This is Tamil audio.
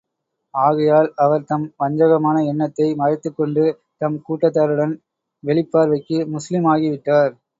ஆகையால், அவர் தம் வஞ்சகமான எண்ணத்தை மறைத்துக் கொண்டு, தம் கூட்டத்தாருடன் வெளிப் பார்வைக்கு முஸ்லிம் ஆகி விட்டார்.